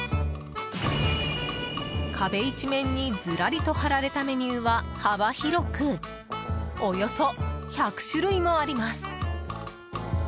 壁一面にずらりと貼られたメニューは幅広くおよそ１００種類もあります。